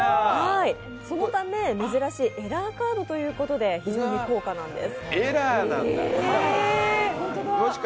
そのため珍しいエラーカードということで、非常に高価なんです。